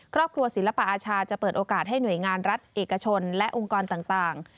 ครอบครัวศิลปอาชาจะเปิดโอกาสให้หน่วยงานรัฐเอกชนและองค์กรต่าง